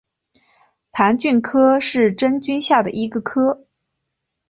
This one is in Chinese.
盘菌科是真菌下的一个科。